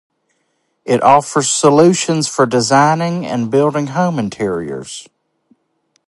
It offers solutions for designing and building home interiors.